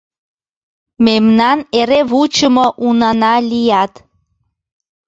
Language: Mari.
мемнан эре вучымо унана лият.